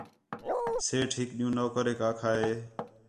سیٹھ ہِک ݙِین٘ہوں نوکریک آکھا ہِے